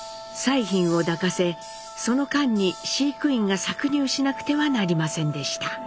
彩浜を抱かせその間に飼育員が搾乳しなくてはなりませんでした。